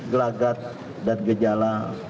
gelagat dan gejala